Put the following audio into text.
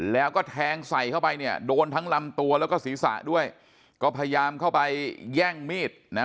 แล้วก็แทงใส่เข้าไปเนี่ยโดนทั้งลำตัวแล้วก็ศีรษะด้วยก็พยายามเข้าไปแย่งมีดนะ